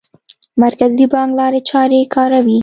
مرکزي بانک لارې چارې کاروي.